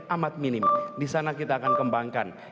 amat minim disana kita akan kembangkan